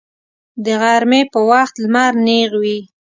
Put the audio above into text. د غرمې په وخت لمر نیغ وي